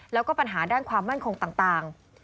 และปัญหาแดนนามความมั่นคง